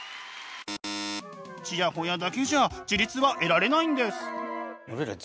チヤホヤだけじゃあ自律は得られないんです。